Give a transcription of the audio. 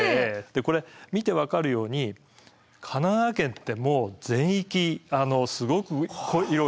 これ見て分かるように神奈川県ってもう全域すごく色が濃いじゃないですか。